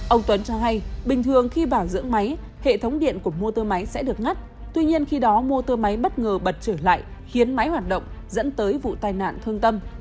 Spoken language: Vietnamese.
ông tuấn cho hay bình thường khi bảo dưỡng máy hệ thống điện của mô tô máy sẽ được ngắt tuy nhiên khi đó mô tô máy bất ngờ bật trở lại khiến máy hoạt động dẫn tới vụ tai nạn thương tâm